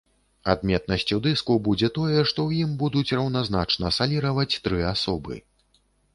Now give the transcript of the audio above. Адметнасцю дыску будзе тое, што ў ім будуць раўназначна саліраваць тры асобы.